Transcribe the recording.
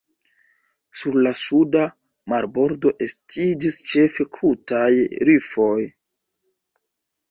Sur la suda marbordo estiĝis ĉefe krutaj rifoj.